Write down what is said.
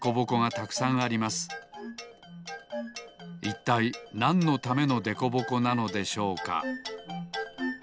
いったいなんのためのでこぼこなのでしょうか？